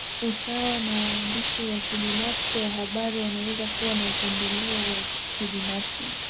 Usawa na waandishi wa kibinafsi wa habari wanaweza kuwa na upendeleo wa kibinafsi